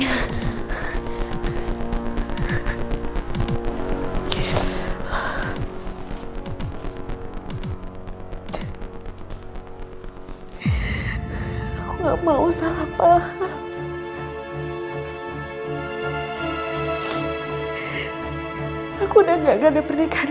aku udah gagal di pernikahan